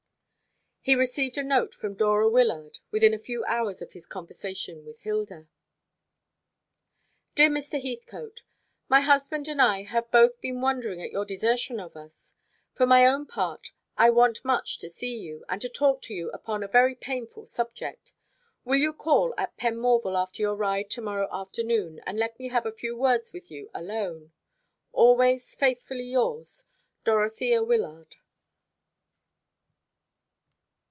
He received a note from Dora Wyllard within a few hours of his conversation with Hilda. "Dear Mr. Heathcote, My husband and I have both been wondering at your desertion of us. For my own part I want much to see you, and to talk to you upon a very painful subject. Will you call at Penmorval after your ride to morrow afternoon, and let me have a few words with you alone? "Always faithfully yours, "DOROTHEA WYLLARD."